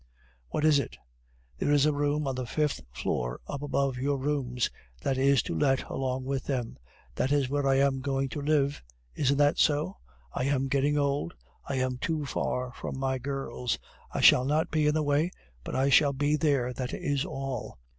"What is it?" "There is a room on the fifth floor, up above your rooms, that is to let along with them; that is where I am going to live, isn't that so? I am getting old: I am too far from my girls. I shall not be in the way, but I shall be there, that is all.